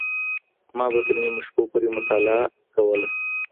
ما به تر نیمو شپو پورې مطالعه کوله.